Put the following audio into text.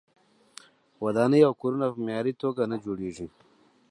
ودانۍ او کورونه په معیاري توګه نه جوړیږي.